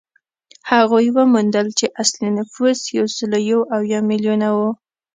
هغوی وموندل چې اصلي نفوس یو سل یو اویا میلیونه و